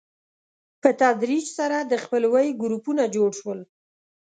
په تدریج سره د خپلوۍ ګروپونه جوړ شول.